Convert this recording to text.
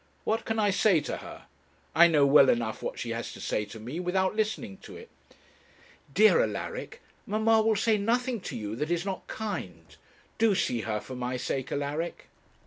What can I say to her? I know well enough what she has to say to me, without listening to it.' 'Dear Alaric, mamma will say nothing to you that is not kind; do see her, for my sake, Alaric.'